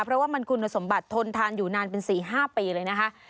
เพราะว่ามันคุณสมบัติทนทานอยู่นานเป็น๔๕ปีเลยนะคะ